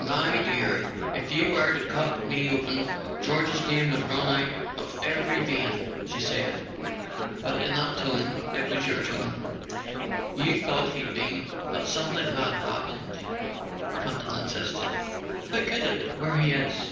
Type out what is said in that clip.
"My dear, if you were to cut me open George's name would run out of every vein," she said. "But in that tone—it was your tone. You thought he'd been—that something had happened," Campton insisted. "How could it, where he is?"